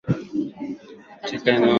katika mfumo wa serekali ya Kiislamu tangu